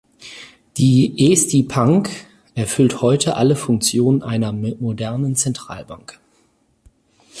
Die Eesti Pank erfüllt heute alle Funktionen einer modernen Zentralbank.